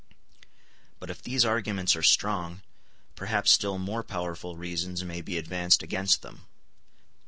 But if these arguments are strong, perhaps still more powerful reasons may be advanced against them.